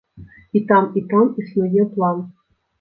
І там, і там існуе план.